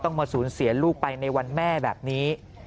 มาสูญเสียลูกไปในวันแม่แบบนี้